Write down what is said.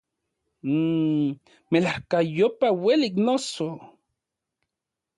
Mmmm, ¡melajkayopa uelik, noso!